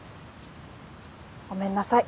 ごめんなさい。